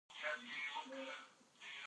په افغانستان کې د ژبو په اړه زده کړه کېږي.